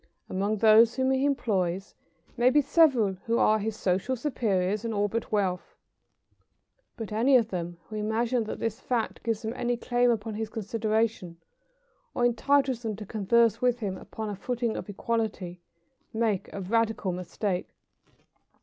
Among those whom he employs may be several who are his social superiors in all but wealth; but any of them who imagine that this fact gives them any claim upon his consideration or entitles them to converse with him upon a footing of equality, make a radical mistake.